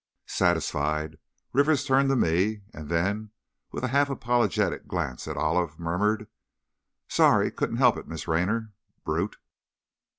Satisfied, Rivers turned to me, and then, with a half apologetic glance at Olive, murmured: "Sorry! Couldn't help it, Miss Raynor. Brute!"